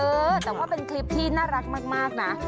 เออแต่ว่าเป็นคลิปที่น่ารักมากนะ